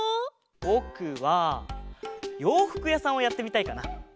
ぼくはようふくやさんをやってみたいかな。